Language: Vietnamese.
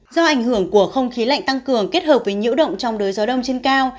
do ảnh hưởng của không khí lạnh tăng cường kết hợp với nhiễu động trong đới gió đông trên cao